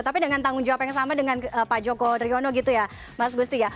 tapi dengan tanggung jawab yang sama dengan pak joko driono gitu ya mas gusti ya